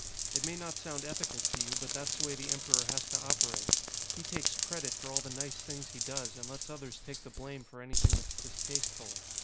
"It may not sound ethical to you, but that's the way the Emperor has to operate. He takes credit for all the nice things he does, and lets others take the blame for anything that's distasteful.